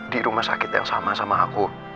di rumah sakit yang sama sama aku